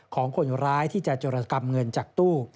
ของคนร้ายที่จะจรกรรมเงินจากตู้